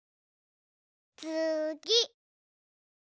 つぎ。